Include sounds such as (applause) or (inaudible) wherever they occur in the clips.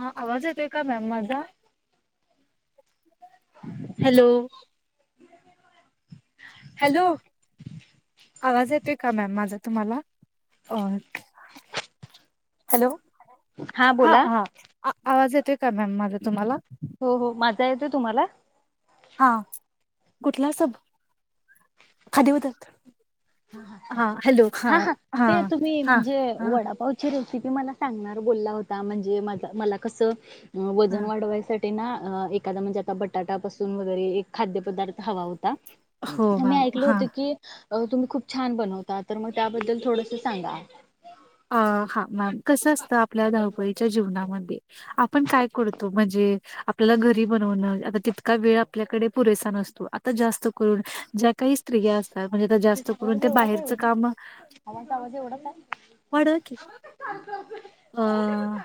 हा, आवाज येतोय का? मॅम माझा हॅलो, हॅलो! आवाज येतोय का मॅम माझा तुम्हाला? अ हॅलो! हा हा. आवाज येतोय का? मॅम माझा तुम्हाला हो. हो. माझा येतो तुम्हाला. हा, कुठला सब? खाद्यपदार्थ? हा हा, ते तुम्ही, हा म्हणजे हा वडा-पावची रेसिपी मला सांगणार बोलला होता, म्हणजे मजा मला कस हा वजन वाढवायसाठी ते ना, एखादा म्हणजे आता बटाटा पासून वगैरे, एक खाद्य पदार्थ हवा होता हो मी मॅम ऐकले हा होते की तुम्ही खूप छान बनवता. तर मग त्याबद्दल थोडंस सांगा. अ हा. हा, कसं असतं, आपल्या धावपळीच्या जीवनामध्ये, आपण काय करतो? म्हणजे आपल्याला घरी बनवणं, आता तितका वेळ आपल्याकडे पुरेसा नसतो. आता जास्त तिच्या काही स्त्रिया असतात जास्त करून आवाज ते एवढाच आहे बाहेरचं वहिनी काम (unintelligible) वाढवा की. आं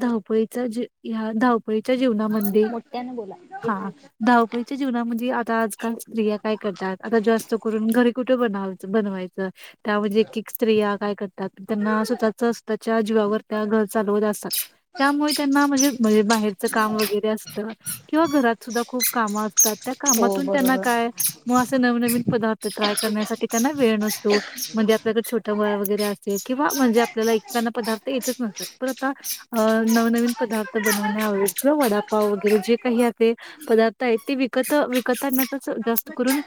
धावपळीच्या जीवनामध्ये आ.. धावपळीच्या जीवनामध्ये मोठ्याने बोला हा, येतोय. धाव-पळीच्या जिवना म्हणजे - आता आजकाल स्त्रिया काय करतात? आता जास्त करून, घरी कुठे बनवायचं-बनवायचं त्या म्हणजे एक एक स्त्रिया काय करता, त्यांना स्वतःचा असा जीवावर त्या घर चालवत असतात. त्यामुळे त्यांना म्हणजे-म्हणजे बाहेरचं काम वगैरे असत. किंवा घरात सुद्धा खूप कामं असतात. त्या हो कामातून त्यांना बरोबर. काय, म अस नवनवीन पदार्थ ट्राय करण्यासाठी त्यांना वेळ नसतो. म्हणजे आपल्याला छोट बाळ वगैरे असेल, किंवा म्हणजे आपल्याला एकचना पदार् ते येतच नसता. पण आता अं नवनवीन पदार्थ बनवण्यात वडापाव वगरे जे काही आहे ते त ते पदार्थ आहे ते विकत विकतना जास्त करून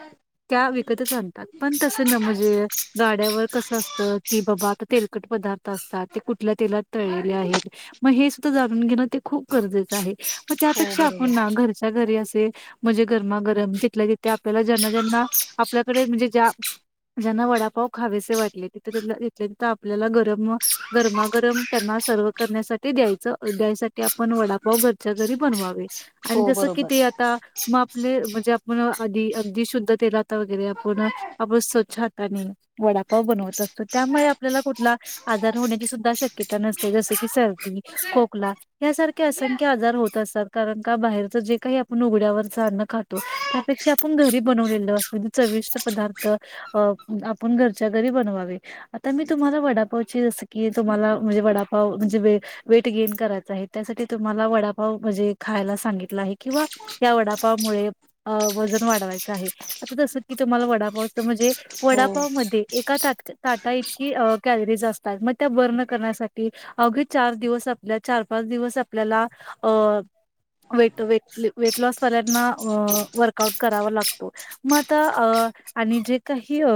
त्या विकतच आणतात. पण तसं ना, म्हणजे गाड्यावर कसं असत, की बाबा आता तेल - लकट पदार्थ असतात. ते कुठं कुठल्या तेलात तळलेले आहेत? म हे सुद्धा जाणून घेण खूप गरजेचं आहे. म हो त्यापेक्षा आपण ना, बरोबर. घरच्या घरी अस ते म्हणजे गरमा-गरम तिथल्या तिथे आपल्याला ज्यांना ज्यांना आपल्याकडे म्हणजे ज्या ज्यांना वडापाव खावेसे वाटले, तिथ तिथले तिथं आपल्याला गरम अ गरमा गरम त्यांना सर्व करण्यासाठी द्यायचं अ द्यायसाठी आपण वडापाव घरच्या घरी बनवावे. आणि हो तसं बरोबर किती आता, मा आपले म्हणजे आपण आधी अगदी शुद्ध तेलात वगैरे आपण आपण स्वच्छ हातानी वडापाव बनवत असतो, त्यामुळे आपल्याला कुठला आजार होण्याची सुद्धा शक् क्यता नसते, जसं की सर्दी, खोकला यासारखे असंख्य आजार होत असतात कारण का बाहेर च जे काही आपण उघड्यावरचं अन्न खातो त्यापेक्षा आपण घरी बनवलेलं असूदे चविष्ट पदार्थ अ आपण घरच्या घरी बनवावे, आता मी तुम्हाला वडापावची जसं की तुम्हाला म्हणजे वडापाव म्हणजे वे वेट गेन करायचं आहे, त्यासाठी तुम्हाला वडापाव म्हणजे खायला सांगितला आहे किंवा या वडापावमुळे अ वजन वाढवायचे आहे, आता जसं की तुम्हाला वडापाव म्हणजे हो वडापाव मध्ये एका ताटाक ताटा इतकी अ कॅलरीज असतात, मग त्या बर्न करण्यासाठी अवघे चार दिवस आपल्या चार पाच दिवस आपल्याला अ वेट वेट वेटलॉस वाल्यांना अ वर्कआउट करावा लागतो, मग आता अ आणि जे काही अ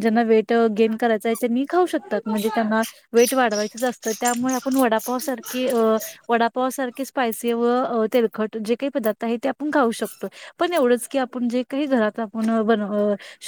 ज्यांना वेट गेन करायचं आहे त्यांनी शकतात, म्हणजे त्यांना वेट वाढवायचंच असतं त्यामुळे आपण वडापावसारखी अ वडापावसारखे स्पायसी व तेलखट जे काही पदार्थ आहे ते आपण खाऊ शकतो, पण एवढंच की आपण जे काही घरात आपण बन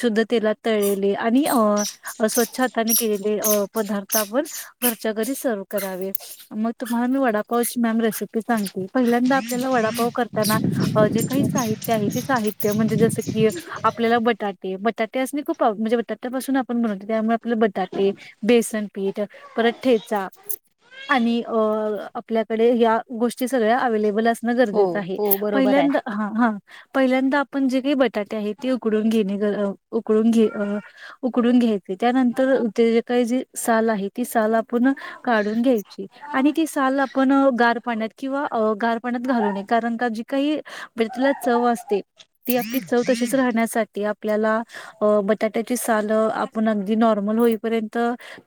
शुद्ध तेलात तळलेले आणि अ स्वच्छ हाताने केलेले पदार्थ आ पण घरच्या घरी सर्व करावे, मग तुम्हाला मी वडापावची मॅम रेसिपी सांगते, पहिला मी आपल्याला वडापाव करताना अ जे काही साहित्य आहे ते साहित्य, म्हणजे जसं की आपल्याला बटाटे बटाटे असणे खूप अ म्हणजे बटाट्यापासून आपण बनवतो, त्यामुळे आपल्याला बटाटे, बेसन पीठ अ परत ठेचा आणि अ आपल्याकडे ह्या गोष्टी सगळ्या अव्हेलेबल अस न हो गरजेचं आहे, हो बरोबर आहे. पहिल्यांदा हा हा पहिल्यांदा आपण जे काही बटाटे आहेत ते उकडून घेणे अ उकडुन घ अ उकडून घे घेयचे, त्यानंतर त्याचे काय जे साल आहे ती साल आपण काढून घ्यायची आणि ती साल आपण गार पाण्यात किंवा अ गार पाण्यात घालू नये, कारण का जी काही मिरचीला चव असते ती आपली चव तशीच राहण्यासाठी आपल्याला अ बटाट्याची सालं आपण अगदी नॉर्म ल होईपर्यंत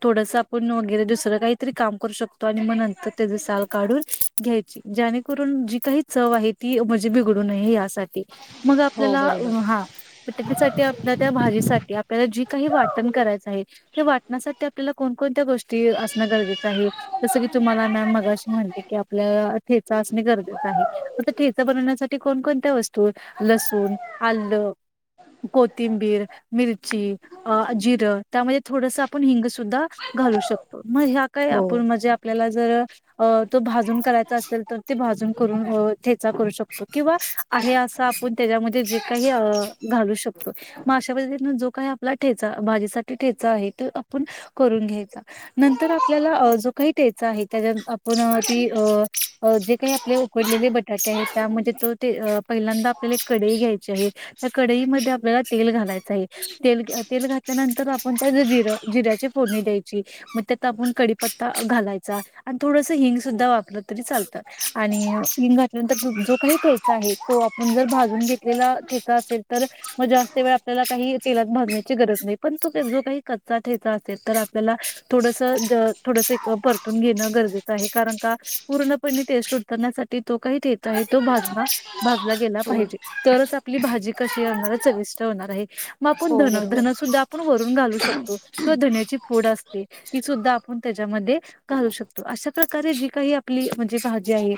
थोडसं आपण वगैरे दुसरं काहीतरी काम करू शकतो, आणि मग नंतर त्याचं साल काढून घ्यायची, जे ज्याणेकरून जी काही चव आहे ती म्हणजे बिघडू नये यासाठी. मग हो आपल्याला बरोबर. हा मग त्याच्यासाठी आपल्या त्या भाजीसाठी आपल्याला जी काही वाटण करायचं आहे, ते वाटणासा ठी आपल्याला कोण कोणत्या गोष्टी असणं गरजेचं आहे, जसं की तुम्हाला मॅम मगाशी म्हणले की आपल्या अ ठेचा असणे गरजेचं आहे, मग तो ठेचा बनवण्यासाठी कोण कोणत्या वस्तू लसूण, आल्ल कोथिंबीर, मिरची अ जिरं त्यामध्ये थोडसं आपण हिंग सु सुदा घालू शकतो, म ह्या काय हो आपण म्हणजे आपल्याला जर अ तो भाजून करायचा असेल तर ते भाजून करून अ ठेचा करू शकतो किंवा आहे असं आपण त्याच्यामध्ये जे काही अ अ घालू शकतो, मग अशा पद्धतीने जो काही आपला ठेचा भाजीसाठी ठेचा आहे ते आपण करून घेयचा नंतर आपल्याला अ जो काहीे ठेचा आहे याच्यात आपण ती अ जे काही आपले उकडलेले बटाटे आहेत, त्या म्हणजे तो ते अ पहिल्यांदा आपल्याला एक कडई घ्यायची आहे. कडईमध्ये आपल्याला तेल घालायचं आहे, तेल तेल घातल्यानंतर आपण त्या जिरं जिऱ्याचे फोडणी द्यायची, मग त्यात आपून कडीपत्ता घालायचा आणि थोडसं हिंग सुद्धा वापरलं तरी चाल त आणि हिंग घातल्यानंतर जो काही ठेचा आहे तो आपण जर भाजून घेतलेला ठेचा असे ल तर मग जास्त वेळ आपल्याला काही तेलात भाजण्याची गरज नाही, पण तो जो काही कच्चा ठेचा अस तर आपल्याला थोडस थोडस परतून घेणं गरजेचं आहे, कारण का पूर्ण पणे टेस्ट उतरण्यासाठी तो काय देता येतो भाजना भाजला गेला हो पाहिजे, तरच आपली भाजी कशी होणार आहे, चविष्ट होणार आहे मग आपण हो धन बरोबर. -धन सुध्दा आपण वरून घालू शकतो. किंवा धण्याची फूड असते, ती सुद्धा आपण त्याच्यामध्ये घालू शकतो अशा प्रकारे जी काही आपली म्हणजे भाजी आहे.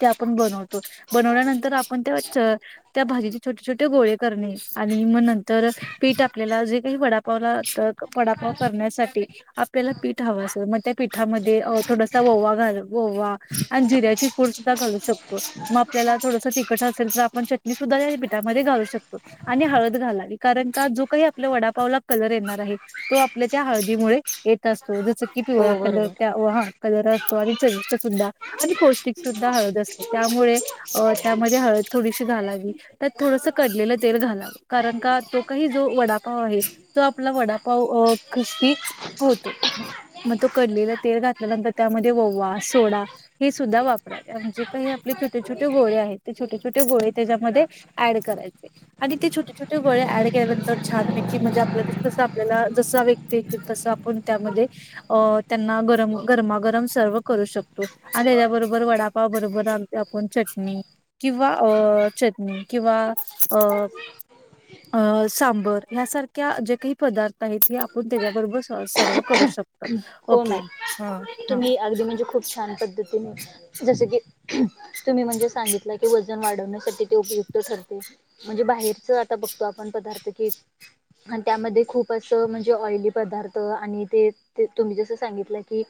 ते आपण बनवतो बनवल्यानंतर आपण त्या त्या भाजीचे छोटे छोटे गोळे करणे. आणि मग नंतर पीठ आपल्याला जे काही वडापावला वडापाव करण्यासाठी आपल्याला पीठ हवा असे मग त्या पीठामध्ये थोडासा ओवा घाल ओवा, आणि जिऱ्याची पूड सुद्धा घालू शकतो म आपल्याला थोडस तिखट असेल तर आपण चटनि सुद्धा पीठमध्ये घालू शकतो आणि हळद घालावी कारण का जो काही आपल्या वडापावला कलर येणार आहे. तो आपल्या त्या हळदीमुळे येत असतो जस की हो पिवळा कलर बरोबर. त्या, हा! कलर असतो आणि च सुधा आणि पौष्टिक सुद्धा हळद असते त्यामुळे त्यामध्ये हळद थोडीशी घालावी त्यात थोडस कडलेलं तेल घालाव कारण का तो काही जो वडापाव आहे! तो आपला वडापाव क्रिस्पी होतो. मग तो कडलेला तेल घातल्यानंतर त्यामध्ये ओवा, सोडा हे सुद्धा वापरा म्हणजे काही आपले छोटे छोटे गोळे आहेत ते छोटे छोटे गोळे त्याच्यामध्ये ऍड करायचे आणि ते छोटे छोटे गोळ्या ऍड केल्या नंतर छानपैकी म्हणजे आपल हित कस आपल्याला जस व्यक्ती येतील तस आपण त्यामध्ये त्यांना गरम गरमागरम सर्व करू शकतो आणि तेजा बरोबर वडापाव बरोबर आपण चटणी किंवा किंवा, सांबार यांसारख्या जे काही पदार्थ आहेत हे आपण त्याच्याबरोबर सर्व करू शकतो. हो, ओके मॅम हा तुम्ही अगदी म्हणजे खूप छान पद्धतीने जस की तुम्ही म्हणजे सांगितलं की वजन वाढवण्यासाठी ते उपयुक्त ठरते. म्हणजे बाहेरच आता बघतो आपण पदार्थ की त्यामध्ये खूप असं म्हणजे ऑइली पदा पदार्थ आणि ते ते तुम्ही जस सांगितलं की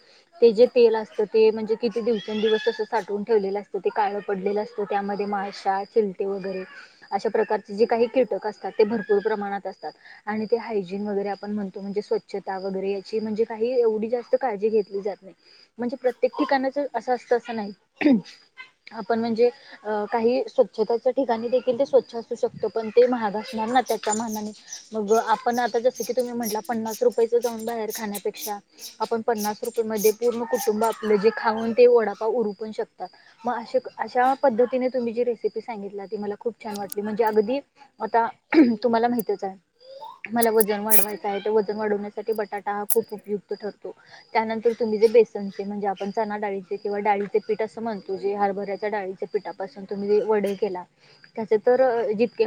ते जे तेल असतं ते म्हणजे किती दिवसेंदिवस तसं साठवून ठेवलेलं असत. ते काळ पडलेलं असतं त्यामध्ये माशा, चिलटे वगैरे अशा प्रकारचे जे काही कीटक असतात ते भरपूर प्रणात असतात आणि ते हायजीन वगैरे आपण म्हणतो म्हणजे स्वच्छता वगैरे याची म्हणजे काही एवढी जास्त काळजी घेतली जात नाही म्हणजे प्रत्येक ठिकाणाच असं असत असं नाही आपण म्हणजे अ काही स्वच्छताच्या ठिकाणी देखील ते स्वच्छ असू शकत पण ते महाग असणार ना त्याच्या मानाने मग आपण आता जसंकी तुम्ही म्हटला पन्नास रुपयाच जान बाहे खाण्या पे क्षा आपण पन्नास रुपये मध्ये पूर्ण कुटुंब आपलं जे खाऊन ते ओडापा उरू पण शकतात. मग अश अशा पद्धतीने तुम्ही जी रेसिपी सांगितली ती मला खूप छान वाटली म्हणजे अगदी आता तुम्हाला माहितच आहे मला वजन वाढवायचं आहे वजन वाढवण्यासाठी बटाटा खूप उपयुक्त ठरतो त्यानंतर तुम्ही जे बेसनचे म्हणजे आपण च डाळीचेिंवा डाळीचे पीठ अस म्हणतो जे हरभऱ्याच्या डाळीचे पिठापासून तुम्ही वडे केला त्या चे तर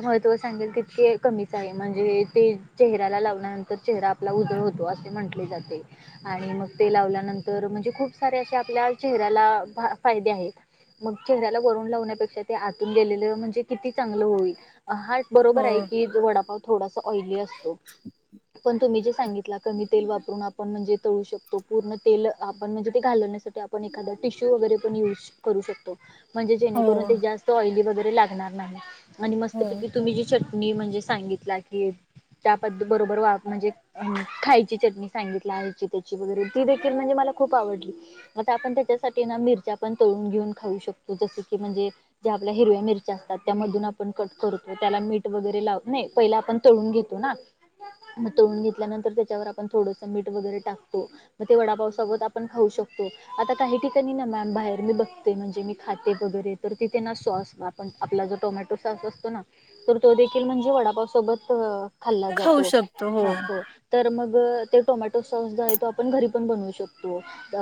महंत सांगेल तितके कमीच आहे म्हणजे ते चेहऱ्याला लावल्यानंतर चेहरा आपला उदळ होतो असे म्हंटले जाते आणि मग ते लावल्यानंतर म्हणजे खूप सारे असे आपल्या चेहऱ्याला फायदे आहेत. मग चेहऱ्याला वरून लावण्यापेक्षा ते आतून गेलेलं म्हणजे किती चांगलं होईल हा हा बरोबर हो आहे की वडापाव थोडासा ऑइली असतो. पण तुम्ही जे सांगितलं कमी तेल वापरून आपण म्हणजे तळू शकतो पूर्ण तेल आपण म्हणजे ते घालण्यासाठी आपण एखादा टिश्यू वगरे पण युज करू शकतो. म्हणजे जेणेकरून ते हो जास्त ऑइली वगैरे लागणार नाही आणि हो मस्तपैकी तुम्ही जी चटणी म्हणजे सांगितला की त्या पद् बरोबर म्हणजे खाय ची, सग त्यारे त दे म्हणजे मला खप आवडली आ आपण त्या मिर तळून तून घेऊन खाऊ शकतो जस की म्हणजे ज आपल्या हिरव्या मिरच्या असतात त्या मधून आपण कट करतो. त्याला मीठ वगरे लाव पहिला आपण तळून घेतो ना म तून घेतल्यानंतर त्याच्यावर. मीठ वगरे टाकतो मग वडापावसोत आपण खाऊ शकतो आता काही ठिकाणी बाहेर मी बघते म्हणजे मी खाते वगैरे तर तिथे ना सॉस बा पण आपला जो टोमॅटो सॉस असतो ना. तर तो देखील म्हणजे वडापाव सोबत खाल्ला खाऊ जातो शकतो हो तर मग. टोमॅटो सॉस जो आहे तो आपण घरी पण बनवू शकतो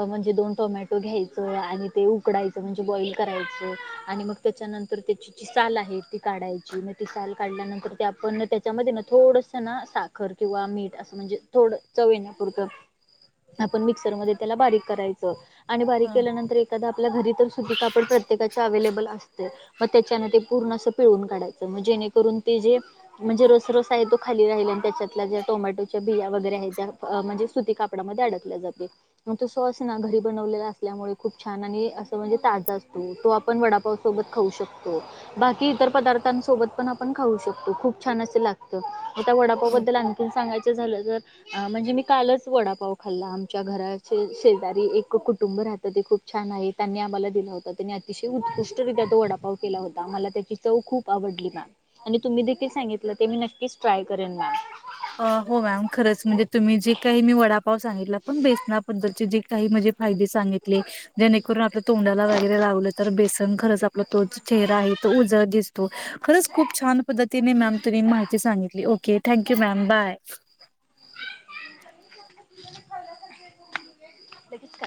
म्हणजे दोन टोमॅटो घ्यायचं. आणि ते उकडायचं म्हणजे बॉइल करायचं आणि मग त्याच्यानंतर त्याची जी साचाल आहे ती काढायची. म ति साल काढल्यानंतर ते आपण त्याच्यामध्ये ना थोडसं ना साखर किंवा मीठ असं म्हणजे. थोडं चव येण्यापुरतं आपण मिक्सरमध्ये त्याला बारीक करायचं. आणि बारीक हा. केल्यानंतर एक आपल्या घरी सुध कापड प्रत्येका अवलेबल असते मग त्याच्या पूर्ण पिळून काढायच. जेून जे म्हणजे र रस आहे तो खाली रा त्याच्यात टोमॅटोच्या बिया. (inaudible) छान आणि असं म्हणजे ताजा असतो तो आपण वडापावसोबत खाऊ शकतो बाकी इतर पदार्थां सोबत पण आपण खाऊ शकतो खूप छान अस लागत. हो वडापाबद्दल आणखी सांगायच झालं तर म्हणजे मी कालच वडा. व खाल्ला आमच्या घराचे शेजारी एक कुटुंब राहतं ते खूप छान आहे त्यांनी आम्हाला दिला होता. अतिशय उत्कृष्टर्या वडापाव केला होता मला त्याची चव खूप आवडली मॅम आणि तुम्ही देकिल. सांगितलं ते मी नक्कीच ट्राय करेन मॅम. अ हो मॅम खरंच. म्हणजे तुम्ही जे काही मी वडापाव सांगितला पण बेसनाबद्दलचे जे काही म्हणे फाये. सांगितले जेणेकरून तोंडाला वगैरे लावल तर. खरच आपला तो चेहरा आहे तो उजड दिसतो खरंच खूप छान पद्ध. तिने मॅम तु माहिती सांगितली ओके थँक्यू मॅम बाय. लखच. (inaudible)